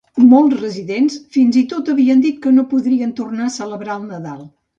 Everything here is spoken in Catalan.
Molts residents fins i tot havien dit que no podrien tornar a celebrar el Nadal.